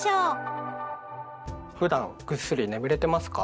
ふだんぐっすり眠れてますか？